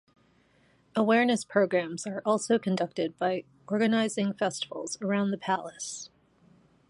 Awareness programs are also conducted by organizing festivals around the palace.